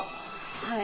はい。